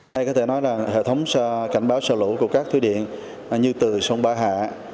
đây có thể nói là hệ thống cảnh báo xả lũ của các thủy điện như từ sông ba hạ